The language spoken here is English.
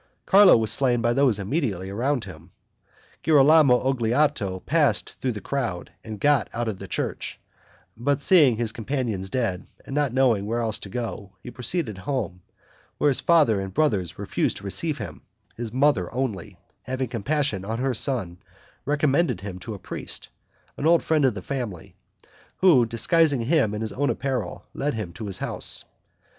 Carlo was slain by those immediately around him. Girolamo Olgiato passed through the crowd, and got out of the church; but seeing his companions dead, and not knowing where else to go, he proceeded home, where his father and brothers refused to receive him; his mother only, having compassion on her son recommended him to a priest, an old friend of the family, who, disguising him in his own apparel, led him to his house.